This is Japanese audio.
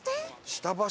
下橋？